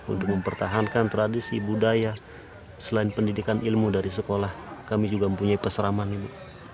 untuk mempertahankan tradisi budaya selain pendidikan ilmu dari sekolah kami juga mempunyai peseraman ibu